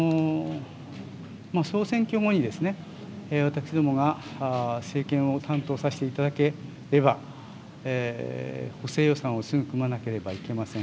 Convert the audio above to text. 総選挙後に、私どもが政権を担当させていただければ、補正予算をすぐ組まなければなりません。